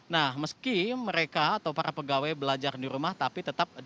nah meski mereka atau para pegawai belajar di rumah tapi tetap